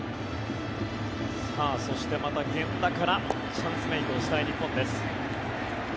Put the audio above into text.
そして、また源田からチャンスメイクをしたい日本です。